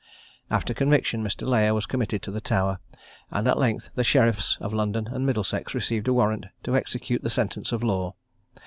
After conviction, Mr. Layer was committed to the Tower; and at length the sheriffs of London and Middlesex received a warrant to execute the sentence of the law.